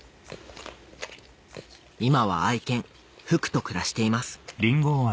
今は愛犬福と暮らしています